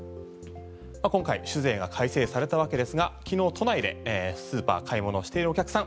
今回酒税が改正されたわけですが昨日、都内でスーパーで買い物しているお客さん